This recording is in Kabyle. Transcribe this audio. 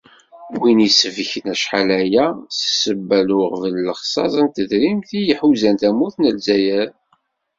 Win i isbeken acḥal aya s ssebba n uɣbel n lexṣaṣ n tedrimt i iḥuzan tamurt n Lezzayer.